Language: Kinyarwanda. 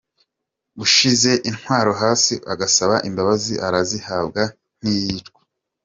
Ushyize intwaro hasi, agasaba imbabazi arazihabwa, ntiyicwa.